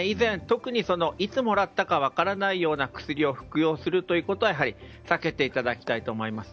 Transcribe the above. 特にいつもらったか分からないような薬を服用することは避けていただきたいと思います。